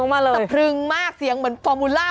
สะพรึงมากเสียงเหมือนฟอร์มูล่า